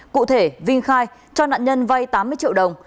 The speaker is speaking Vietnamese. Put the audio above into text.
cụ thể vinh khai cho nạn nhân vay tám mươi triệu đồng